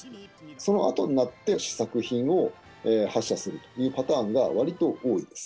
そのあとになって、試作品を発射するというパターンはわりと多いです。